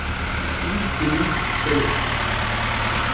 Dies genügt völlig.